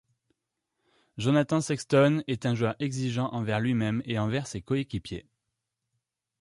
Jonathan Sexton est un joueur exigeant envers lui-même et envers ses coéquipiers.